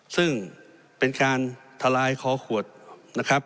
ซึ่งเป็นการทลายคอขวดนะครับ